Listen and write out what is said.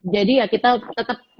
jadi ya kita tetep